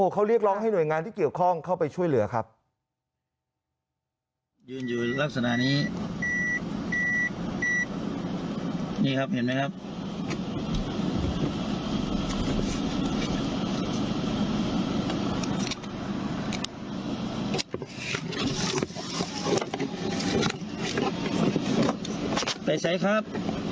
เขาเรียกร้องให้หน่วยงานที่เกี่ยวข้องเข้าไปช่วยเหลือครับ